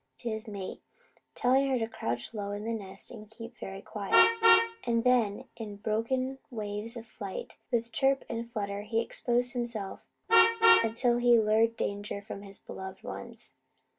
to his mate, telling her to crouch low in her nest and keep very quiet, and then, in broken waves of flight, and with chirp and flutter, he exposed himself until he had lured danger from his beloved ones.